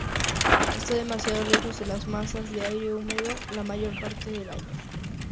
Está demasiado lejos de las masas de aire húmedo la mayor parte del año.